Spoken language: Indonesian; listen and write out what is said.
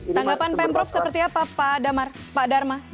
tanggapan pemprov seperti apa pak dharma